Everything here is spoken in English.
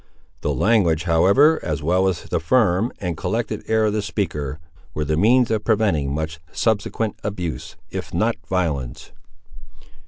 The language, however, as well as the firm and collected air of the speaker, were the means of preventing much subsequent abuse, if not violence.